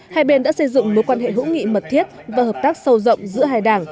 hai bên đã xây dựng mối quan hệ hữu nghị mật thiết và hợp tác sâu rộng giữa hai đảng